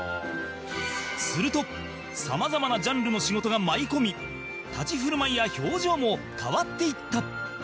するとさまざまなジャンルの仕事が舞い込み立ち振る舞いや表情も変わっていった